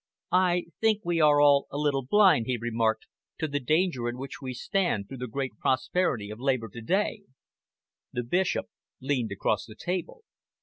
"I think we are all a little blind," he remarked, "to the danger in which we stand through the great prosperity of Labour to day." The Bishop leaned across the table.